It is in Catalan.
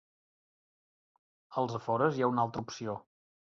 Als afores hi ha una altra opció.